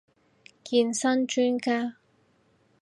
健身專家